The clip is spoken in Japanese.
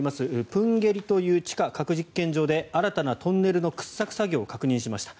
プンゲリという地下核実験場で新たなトンネルの掘削作業を確認しました。